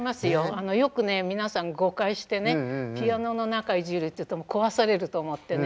あのよくね皆さん誤解してねピアノの中いじるっていうと壊されると思ってね